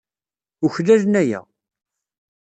Uklalen aya.